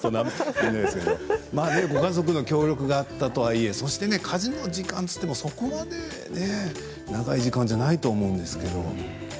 ご家族の協力があったとはいえそして、家事の時間といってもそこまで長い時間じゃないと思うんですけど。